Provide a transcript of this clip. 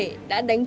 đã đánh trúng bệnh